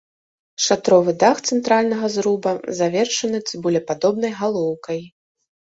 Шатровы дах цэнтральнага зруба завершаны цыбулепадобнай галоўкай.